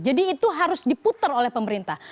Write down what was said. jadi itu harus diputar oleh pemerintah